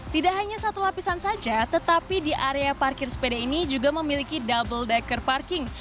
tidak hanya satu lapisan saja tetapi di area parkir sepeda ini juga memiliki double decker parking